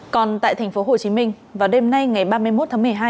còn tại thành phố hồ chí minh vào đêm nay ngày ba mươi một tháng một mươi hai